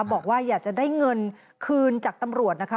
บอกว่าอยากจะได้เงินคืนจากตำรวจนะคะ